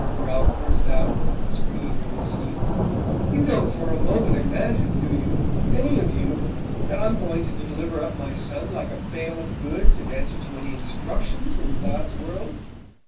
Ralph burst out, springing from his seat. "You don't for a moment imagine, do you any of you that I'm going to deliver up my son like a bale of goods in answer to any instructions in God's world?